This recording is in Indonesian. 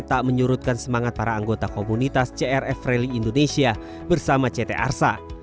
tak menyurutkan semangat para anggota komunitas crf rally indonesia bersama ct arsa